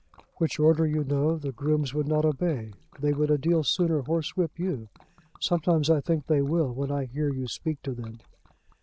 "Which order, you know, the grooms would not obey. They would a deal sooner horsewhip you. Sometimes I think they will, when I hear you speak to them."